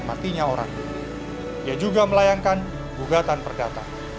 dan matinya orangnya ia juga melayangkan bugatan perdata